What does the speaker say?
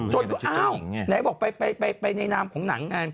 จนก็อ้าวไหนบอกไปในนามของหนังไง